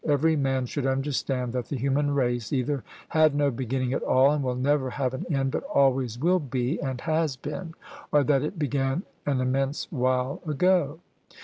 Every man should understand that the human race either had no beginning at all, and will never have an end, but always will be and has been; or that it began an immense while ago.